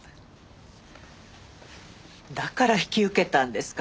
だから引き受けたんですか？